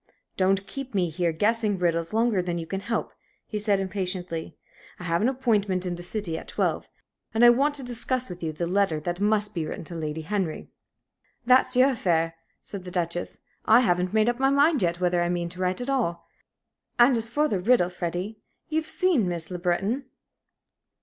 "Don't keep me here guessing riddles longer than you can help," he said, impatiently. "I have an appointment in the City at twelve, and I want to discuss with you the letter that must be written to Lady Henry." "That's your affair," said the Duchess. "I haven't made up my mind yet whether I mean to write at all. And as for the riddle, Freddie, you've seen Miss Le Breton?"